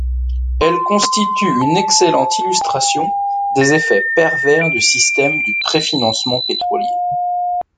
Elle constitue une excellente illustration des effets pervers du système du préfinancement pétrolier.